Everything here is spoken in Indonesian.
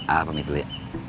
apa mie dulu ya